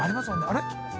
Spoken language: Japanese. あれ？